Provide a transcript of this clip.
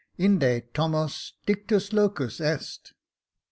* Inde Tomos dictus locus est.'